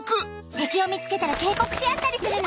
敵を見つけたら警告し合ったりするの。